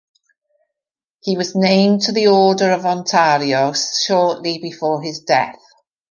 He was named to the Order of Ontario shortly before his death.